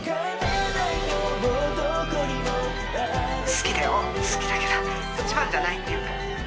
好きだよ好きだけど１番じゃないっていうか。